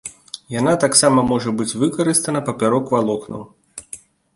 Яна таксама можа быць выкарыстана папярок валокнаў.